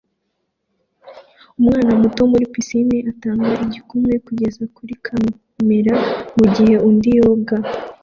Umwana muto muri pisine atanga igikumwe kugeza kuri kamera mugihe undi yoga